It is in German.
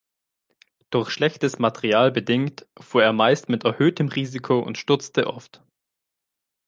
Durch schlechtes Material bedingt fuhr er meist mit erhöhtem Risiko und stürzte oft.